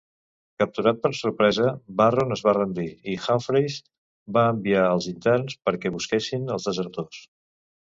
Capturat per sorpresa, Barron es va rendir i Humphreys va enviar als interns perquè busquessin els desertors.